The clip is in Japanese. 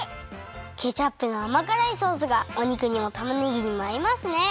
ケチャップのあまからいソースがお肉にもたまねぎにもあいますね！